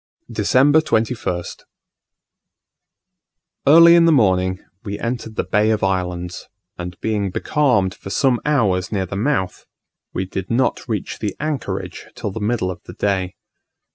December 21st. Early in the morning we entered the Bay of Islands, and being becalmed for some hours near the mouth, we did not reach the anchorage till the middle of the day.